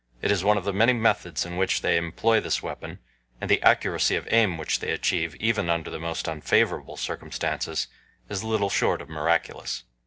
It is one of the many methods in which they employ this weapon, and the accuracy of aim which they achieve, even under the most unfavorable circumstances, is little short of miraculous.